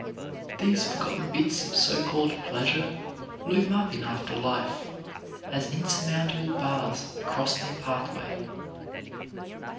These forgotten bits of so called pleasure loom up in after life as insurmountable bars across their pathway.